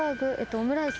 オムライス。